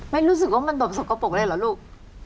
ไม่รู้สึกว่ามันสกปรกเลยหรอลูก